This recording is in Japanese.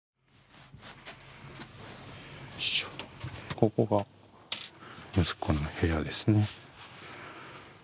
ここが息子の部屋ですね。